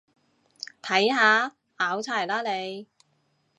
睇下，拗柴喇你